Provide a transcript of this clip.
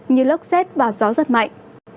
như lốc xét và gió giật mạnh